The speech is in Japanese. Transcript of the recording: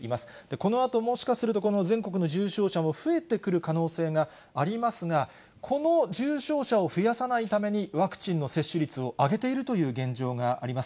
このあと、もしかすると、この全国の重症者も増えてくる可能性がありますが、この重症者を増やさないために、ワクチンの接種率を上げているという現状があります。